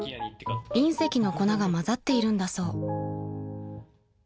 ［隕石の粉がまざっているんだそう］